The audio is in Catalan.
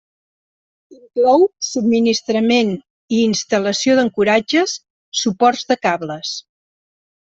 Inclou subministrament i instal·lació d'ancoratges, suports de cables.